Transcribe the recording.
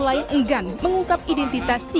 lain enggan mengungkap identitas